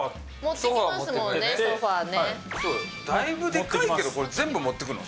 だいぶでかいけどこれ全部持ってくの？